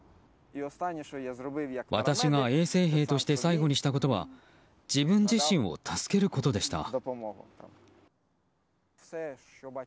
私が衛生兵として最後にしたことは自分自身を助けることでした。